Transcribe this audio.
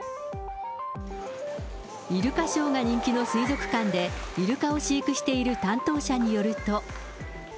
イルカショーが人気の水族館で、イルカを飼育している担当者によると。